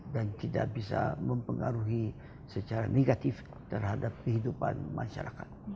dan tidak bisa mempengaruhi secara negatif terhadap kehidupan masyarakat